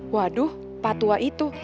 waduh patua itu